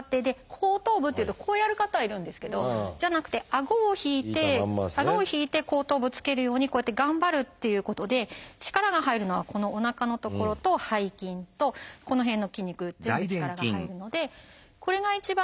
後頭部っていうとこうやる方がいるんですけどじゃなくて顎を引いて顎を引いて後頭部つけるようにこうやって頑張るっていうことで力が入るのはこのおなかの所と背筋とこの辺の筋肉全部力が入るのでこれが一番